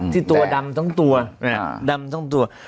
ที่ตัวดำทั้งตัวดำทั้งตัว